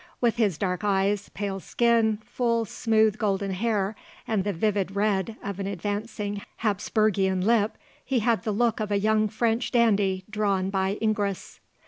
With his dark eyes, pale skin, full, smooth, golden hair, and the vivid red of an advancing Hapsburgian lip, he had the look of a young French dandy drawn by Ingres.